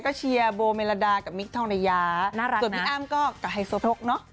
ก็พิเศษกว่าคนอื่นนะครับ